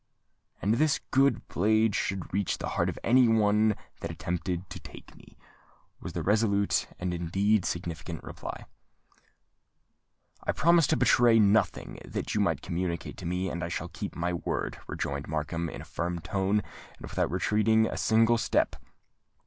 "And this good blade should reach the heart of any one that attempted to take me," was the resolute and indeed significant reply. "I promised to betray nothing that you might communicate to me, and I shall keep my word," rejoined Markham, in a firm tone, and without retreating a single step.